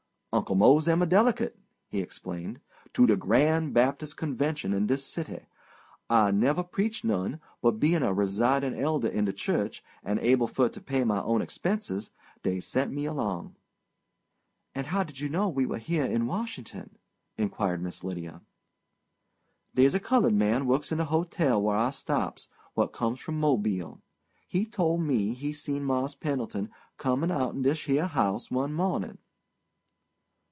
"Uncle Mose am a delicate," he explained, "to de grand Baptis' convention in dis city. I never preached none, but bein' a residin' elder in de church, and able fur to pay my own expenses, dey sent me along." "And how did you know we were in Washington?" inquired Miss Lydia. "Dey's a cullud man works in de hotel whar I stops, what comes from Mobile. He told me he seen Mars' Pendleton comin' outen dish here house one mawnin'.